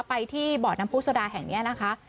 ไปที่บ่อน้ำผู้สดาแห่งนี้นะคะ